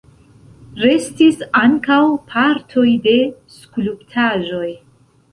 Restis ankaŭ partoj de skulptaĵoj.